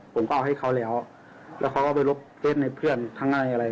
ผมก็เอาให้เขาแล้วแล้วเขาก็ไปลบเฟสในเพื่อนข้างในอะไร